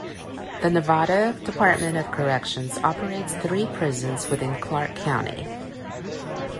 The Nevada Department of Corrections operates three prisons within Clark County.